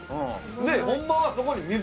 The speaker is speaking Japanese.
でホンマはそこに水。